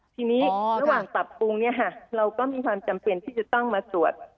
ทีนี้ระหว่างปรับปรุงเนี่ยค่ะเราก็มีความจำเป็นที่จะต้องมาตรวจ